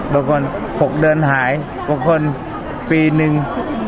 บางคน๖เดือนหายบางคนปีนึง